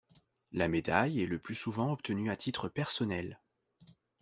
La médaille est le plus souvent obtenue à titre personnel.